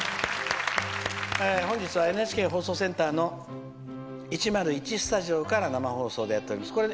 本日はＮＨＫ放送センター１０１スタジオから生放送でお届けします。